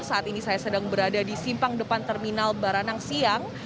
saat ini saya sedang berada di simpang depan terminal baranang siang